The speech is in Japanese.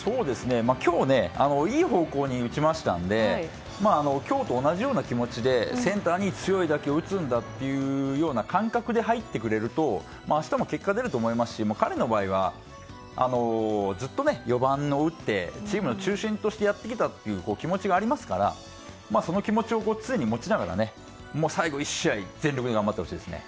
今日いい方向に打ちましたので今日と同じような気持ちでセンターに強い打球を打つんだというような感覚で入ってくれると明日も結果、出ると思いますし彼の場合は、ずっと４番を打ってチームの中心としてやってきたという気持ちがありますからその気持ちを常に持ちながら最後、１試合全力で頑張ってほしいですね。